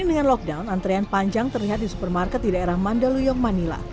dengan lockdown antrean panjang terlihat di supermarket di daerah mandaluyong manila